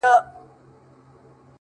هغه به دروند ساتي چي څوک یې په عزت کوي!!